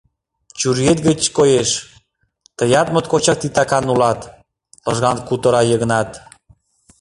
— Чуриет гыч коеш: тыят моткочак титакан улат, — лыжган кутыра Йыгнат.